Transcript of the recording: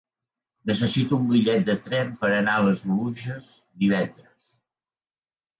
Necessito un bitllet de tren per anar a les Oluges divendres.